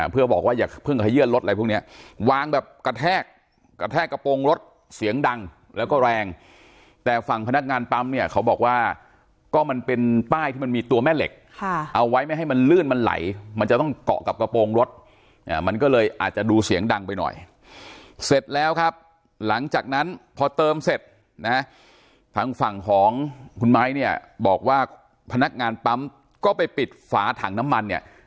เพื่อบอกว่าอย่าเพิ่งให้เยื่อนรถอะไรพวกเนี้ยวางแบบกระแทกกระแทกกระโปรงรถเสียงดังแล้วก็แรงแต่ฝั่งพนักงานปั๊มเนี่ยเขาบอกว่าก็มันเป็นป้ายที่มันมีตัวแม่เหล็กเอาไว้ไม่ให้มันลื่นมันไหลมันจะต้องเกาะกับกระโปรงรถมันก็เลยอาจจะดูเสียงดังไปหน่อยเสร็จแล้วครับหลังจากนั้นพอเติมเสร็จนะฝั่